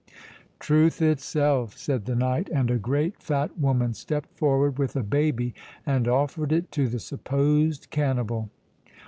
'" "Truth itself!" said the knight; "and a great fat woman stepped forward with a baby, and offered it to the supposed cannibal."